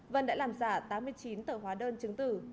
vân đã làm giả tám mươi chín tờ hóa đơn chứng tử